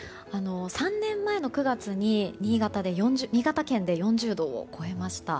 ３年前の９月に新潟県で４０度を超えました。